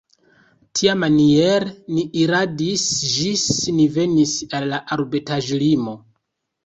Tiamaniere ni iradis ĝis ni venis al la arbetaĵlimo.